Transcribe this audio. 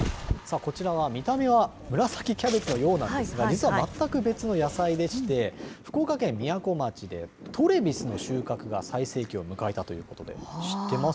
こちらは見た目は紫キャベツのようなんですが、実は全く別の野菜でして、福岡県みやこ町でトレビスの収穫が最盛期を迎えたということで、知ってます？